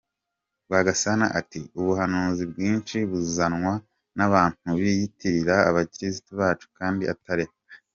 Rwagasana ati “Ubuhanuzi bwinshi buzanwa n’abantu biyitirira abakirisitu bacu kandi atari bo.